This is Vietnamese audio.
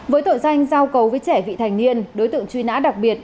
với tội danh giao cầu với trẻ vị thành niên đối tượng truy nã đặc biệt